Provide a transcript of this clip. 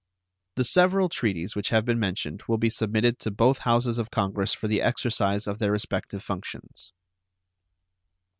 The several treaties which have been mentioned will be submitted to both Houses of Congress for the exercise of their respective functions.